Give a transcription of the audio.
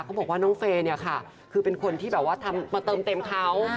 เขาบอกว่าน้องเฟย์คือเป็นคนที่มาเติมเต็มเขา